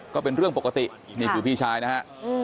ก็เป็นเรื่องปกตินี่คือพี่ชายนะฮะ